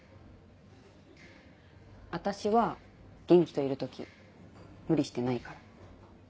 私は元気といる時無理してないから。